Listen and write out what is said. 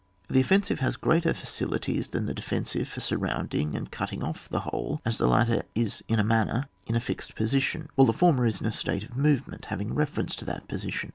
The offensive has greater facilities than the defensive for surrounding and cutting off the whole, as the latter is in a manner in a fixed position while the former is in a state of movement having reference to that position.